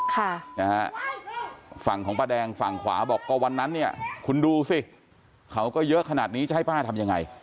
ค่ะนะฮะฝั่งของป้าแดงฝั่งขวาบอกก็วันนั้นเนี่ยคุณดูสิเขาก็เยอะขนาดนี้จะให้ป้าทำยังไง